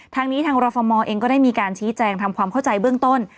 ทางนี้ทางรฟมเองก็ได้มีการชี้แจงทำความเข้าใจเบื้องต้น